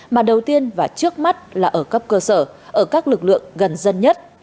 mà đầu tiên và trước mắt là ở cấp cơ sở ở các lực lượng gần dân nhất